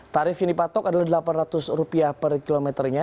tarif yang dipatok adalah rp delapan ratus per kilometernya